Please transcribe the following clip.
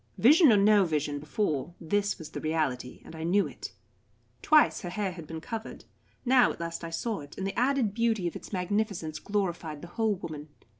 Vision or no vision before, this was the reality, and I knew it. Twice her hair had been covered, now at last I saw it, and the added beauty of its magnificence glorified the whole woman.